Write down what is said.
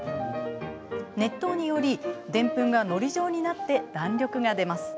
熱湯により、でんぷんがのり状になって弾力が出ます。